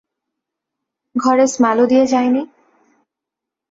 ঘরে স্মালো দিয়ে যায় নি।